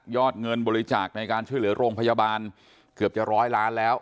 เงินบริจาคในการช่วยเหลือโรงพยาบาลเกือบจะร้อยล้านแล้ว